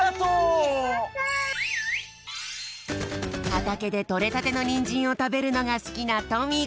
はたけでとれたてのニンジンをたべるのがすきなトミーくん。